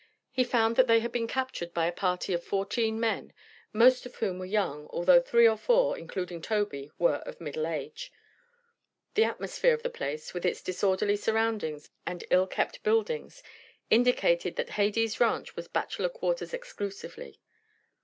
He found they had been captured by a party of fourteen men, most of whom were young, although three or four, including Tobey, were of middle age. The atmosphere of the place, with its disorderly surroundings and ill kept buildings, indicated that Hades Ranch was bachelor quarters exclusively.